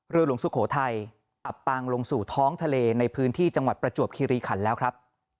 หลวงสุโขทัยอับปางลงสู่ท้องทะเลในพื้นที่จังหวัดประจวบคิริขันแล้วครับ